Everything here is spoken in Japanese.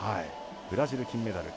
ブラジル、金メダル。